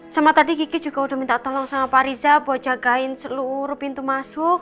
sama tadi kiki juga udah minta tolong sama pak riza buat jagain seluruh pintu masuk